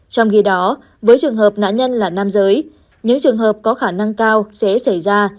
trong khi đó với trường hợp nạn nhân là nam giới những trường hợp có khả năng cao sẽ xảy ra